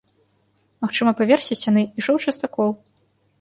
Магчыма, па версе сцяны ішоў частакол.